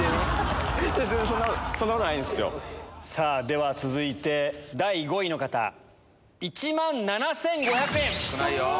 では続いて第５位の方１万７５００円。